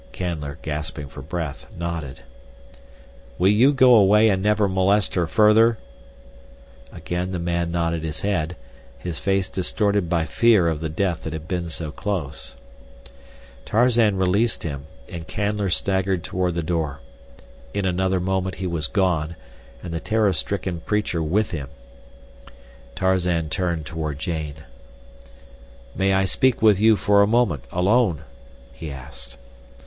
Canler, gasping for breath, nodded. "Will you go away and never molest her further?" Again the man nodded his head, his face distorted by fear of the death that had been so close. Tarzan released him, and Canler staggered toward the door. In another moment he was gone, and the terror stricken preacher with him. Tarzan turned toward Jane. "May I speak with you for a moment, alone," he asked.